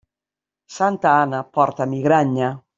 Santa Anna porta migranya.